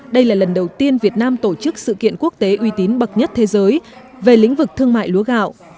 đây là lần đầu tiên việt nam tổ chức sự kiện quốc tế uy tín bậc nhất thế giới về lĩnh vực thương mại lúa gạo